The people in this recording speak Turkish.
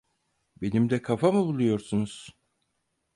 Benimle kafa mı buluyorsunuz?